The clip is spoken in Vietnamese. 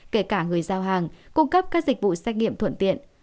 kể cả người giao hàng cung cấp các dịch vụ xét nghiệm thuận tiện